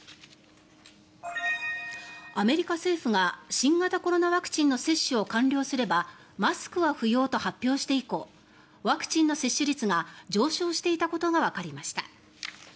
アメリカ政府が新型コロナワクチンの接種を完了すればマスクは不要と発表して以降ワクチンの接種率が上昇していたことがわかりました。